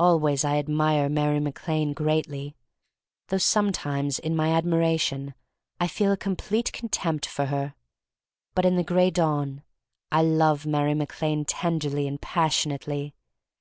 Always I admire Mary Mac Lane greatly — though sometimes in my ad miration I feel a complete contempt for her. But in the Gray Dawn I love Mary Mac Lane tenderly and passionately.